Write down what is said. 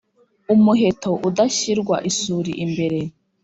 Umuheto udashyirwa isuri imbere